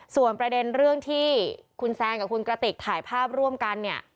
ส่วนประเด็นเรื่องที่คุณแซนกับคุณกระติกถ่ายภาพร่วมกันเนี่ย